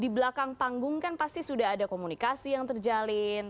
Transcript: di belakang panggung kan pasti sudah ada komunikasi yang terjalin